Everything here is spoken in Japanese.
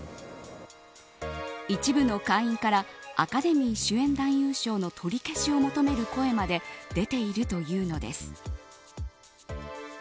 一部の会員からアカデミー主演男優賞の取り消しを求める声まで出ているというのです。